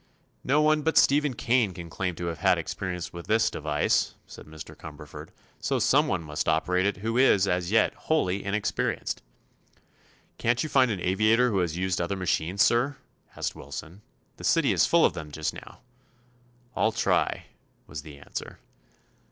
"No one but Stephen Kane can claim to have had experience with this device," said Mr. Cumberford; "so someone must operate it who is, as yet, wholly inexperienced." "Can't you find an aviator who has used other machines, sir?" asked Wilson. "The city is full of them just now." "I'll try," was the answer.